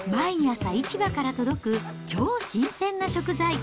毎朝、市場から届く超新鮮な食材。